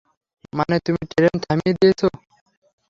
মানে, তুমি ট্রেন থামিয়ে দিয়েছো।